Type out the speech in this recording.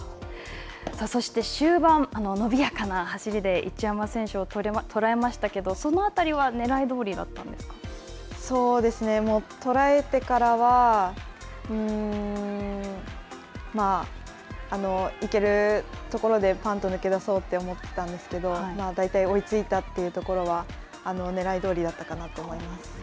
そして、終盤、伸びやかな走りで一山選手を捉えましたけど、その辺りは捉えてからは、行けるところでパンと抜け出そうと思ってたんですけれども、大体追いついたというところはねらいどおりだったかなと思いま